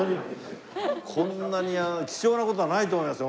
こんなに貴重な事はないと思いますよ